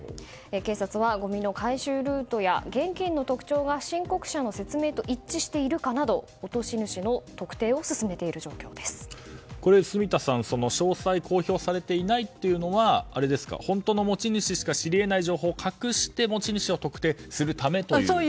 警察はごみの回収ルートや現金の特徴が申告者の言動と一致しているかなど、落とし主の住田さん、詳細が公表されていないというのは本当の持ち主しか知り得ない情報を隠して持ち主を特定するためという？